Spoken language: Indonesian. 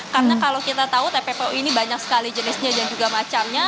karena kalau kita tahu tppu ini banyak sekali jenisnya dan juga macamnya